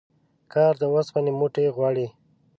کار د اوسپني موټي غواړي